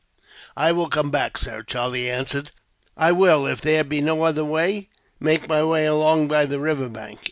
"I will come back, sir," Charlie answered. "I will, if there be no other way, make my way along by the river bank.